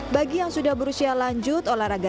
bagi yang sudah berusia lanjut olahraga